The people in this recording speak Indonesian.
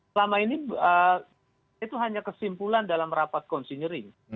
selama ini itu hanya kesimpulan dalam rapat konsinyering